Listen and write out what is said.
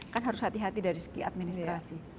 kan harus hati hati dari segi administrasi